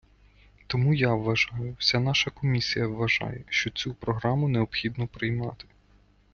Тому я вважаю, вся наша комісія вважає, що цю програму необхідно приймати.